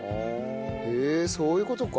へえそういう事か。